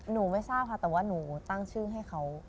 ไม่ทราบค่ะแต่ว่าหนูตั้งชื่อให้เขา